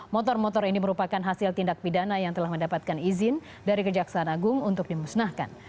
motor motor ini merupakan hasil tindak pidana yang telah mendapatkan izin dari kejaksaan agung untuk dimusnahkan